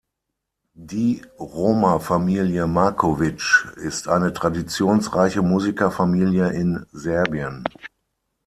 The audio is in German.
Die Roma-Familie Marković ist eine traditionsreiche Musikerfamilie in Serbien.